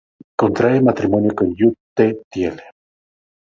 Contrae matrimonio con Yute Thiele.